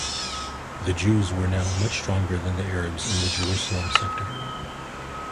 The Jews were now much stronger than the Arabs in the Jerusalem sector.